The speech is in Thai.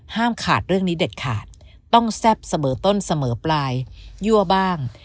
ขาดเรื่องนี้เด็ดขาดต้องแซ่บเสมอต้นเสมอปลายยั่วบ้าง